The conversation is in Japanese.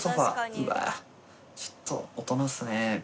うわぁちょっと大人っすね。